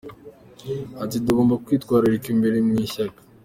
Ati“ Tugomba kwitwararika imbere mu ishyaka.